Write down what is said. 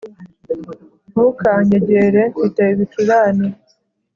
Ntukanyegere Mfite ibicurane